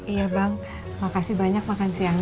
iya bang makasih banyak makan siang